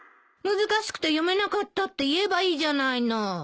「難しくて読めなかった」って言えばいいじゃないの。